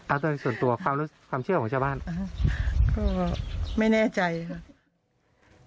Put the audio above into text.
เอาโดยส่วนตัวความรู้ความเชื่อของชาวบ้านก็ไม่แน่ใจค่ะ